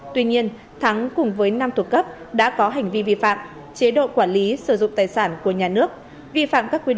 tuy nhiên thắng cùng với năm thuộc cấp đã có hành vi vi phạm chế độ quản lý sử dụng tài sản của nhà nước vi phạm các quy định